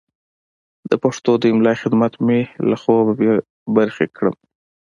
د پښتو د املا خدمت مې له خوبه بې برخې کړم.